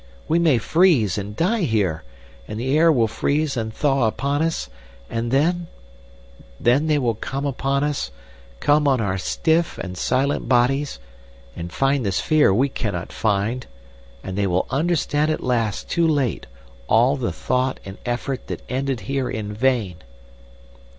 We may freeze and die here, and the air will freeze and thaw upon us, and then—! Then they will come upon us, come on our stiff and silent bodies, and find the sphere we cannot find, and they will understand at last too late all the thought and effort that ended here in vain!"